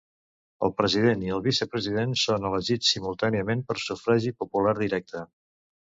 El president i el vicepresident són elegits simultàniament per sufragi popular directe.